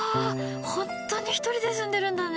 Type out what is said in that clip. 本当に１人で住んでるんだね。